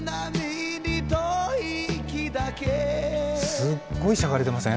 すっごいしゃがれてません？